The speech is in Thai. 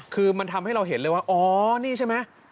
คือมันทำให้เราเห็นเลยว่าอ๋อนี่ใช่ไหม